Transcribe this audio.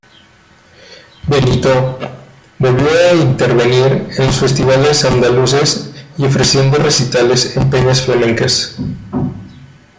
Benito, volvió a intervenir en los festivales andaluces y ofreciendo recitales en peñas flamencas.